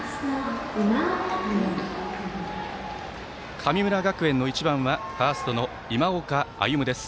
神村学園の１番はファーストの今岡歩夢です。